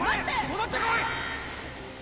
戻って来い！